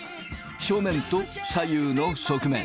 正面と左右の側面。